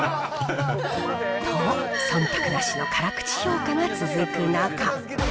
と、そんたくなしの辛口評価が続く中。